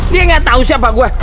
dia gak tau siapa gue